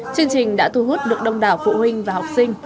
chương trình đã thu hút được đông đảo phụ huynh và học sinh